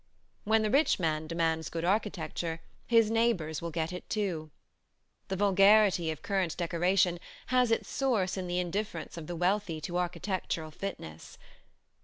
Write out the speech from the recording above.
When the rich man demands good architecture his neighbors will get it too. The vulgarity of current decoration has its source in the indifference of the wealthy to architectural fitness.